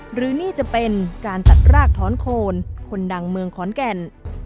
หรือนี่จะเป็นการตัดรากถอนโคนคนดังเมืองขอนแก่น